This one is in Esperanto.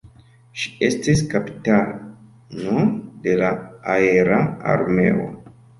Ŝi estis kapitano de la aera armeo.